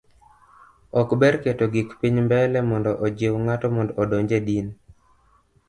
ok ber keto gik piny mbele mondo ojiu ng'ato mondo odonj e din